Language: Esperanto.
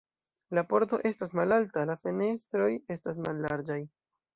La pordo estas malalta, la fenestroj estas mallarĝaj.”